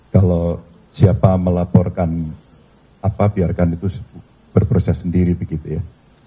kalau siapa melaporkan apa biarkan itu berproses sendiri begitu ya